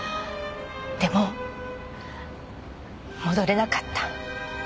でも戻れなかった。